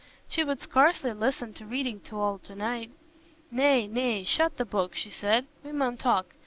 She would scarcely listen to reading at all to night. "Nay, nay, shut the book," she said. "We mun talk.